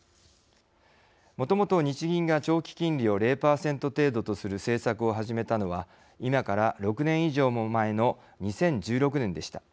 もともと日銀が長期金利を０％程度とする政策を始めたのは今から６年以上も前の２０１６年でした。